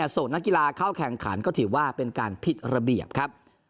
ส่งนักกีฬาเข้าแข่งขันก็ถือว่าเป็นการผิดระเบียบครับ